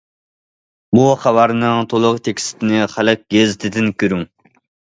بۇ خەۋەرنىڭ تولۇق تېكىستىنى خەلق گېزىتىدىن كۆرۈڭ.